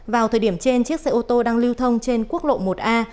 vào thời điểm trên chiếc xe ô tô đang lưu thông trên quốc lộ một a